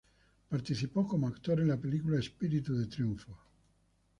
Participó como actor en la película "Espíritu de Triunfo".